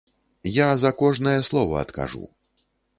Я за кожнае слова адкажу.